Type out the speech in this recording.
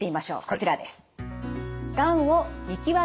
こちらです。